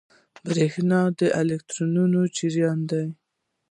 برېښنا د الکترونونو جریان دی.